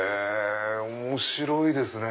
面白いですね！